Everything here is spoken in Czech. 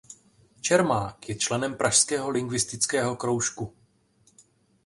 Čermák je členem Pražského lingvistického kroužku.